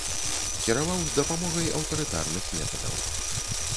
Кіраваў з дапамогай аўтарытарных метадаў.